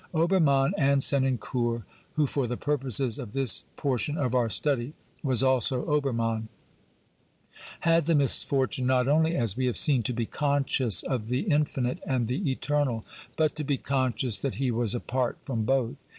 Obermann and Senancour, who for the purposes of this por tion of our study was also Obermann, had the misfortune, not only, as we have seen, to be conscious of the infinite and the eternal, but to be conscious that he was apart from both.